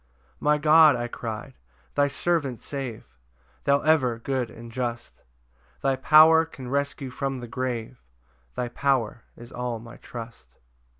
4 "My God," I cry'd "thy servant save, "Thou ever good and just; "Thy power can rescue from the grave, "Thy power is all my trust."